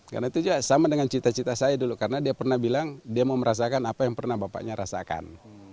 karena itu sama dengan cita cita saya dulu karena dia pernah bilang dia mau merasakan apa yang pernah bapaknya rasakan